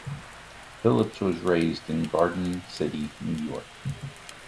Phillips was raised in Garden City, New York.